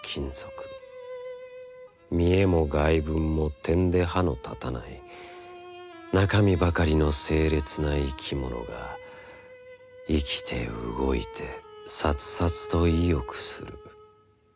見えも外聞もてんで歯のたたない中身ばかりの清冽な生きものが生きて動いてさつさつと意欲する。